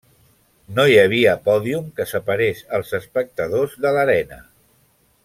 No hi havia pòdium que separés els espectadors de l'arena.